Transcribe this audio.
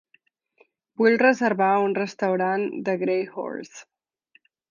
Vull reservar a un restaurant de Gray Horse.